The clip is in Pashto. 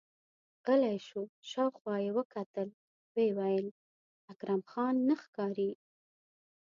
غلی شو، شاوخوا يې وکتل، ويې ويل: اکرم خان نه ښکاري!